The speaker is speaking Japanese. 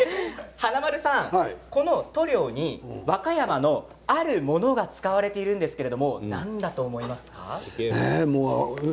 華丸さん、この塗料に和歌山のあるものが使われているんですけども何だと思いますか？